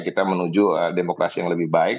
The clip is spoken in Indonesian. kita menuju demokrasi yang lebih baik